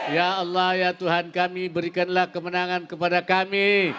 ya allah ya tuhan kami berikanlah kemenangan kepada kami